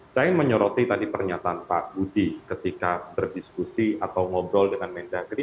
saya menyoroti tadi pernyataan pak budi ketika berdiskusi atau ngobrol dengan mendagri